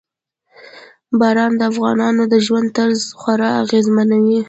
باران د افغانانو د ژوند طرز خورا اغېزمنوي.